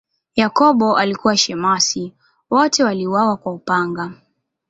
Yakobo alikuwa shemasi, wote waliuawa kwa upanga.